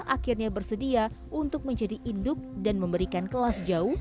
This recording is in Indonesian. akhirnya bersedia untuk menjadi induk dan memberikan kelas jauh